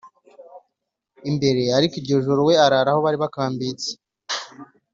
Imbere ariko iryo joro we arara aho bari bakambitse